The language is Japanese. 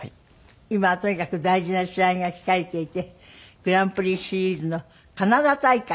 今はとにかく大事な試合が控えていてグランプリシリーズのカナダ大会。